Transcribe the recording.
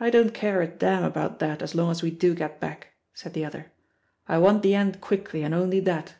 "I don't care a damn about that, as long as we do get back," said the other; "I want the end quickly, and only that."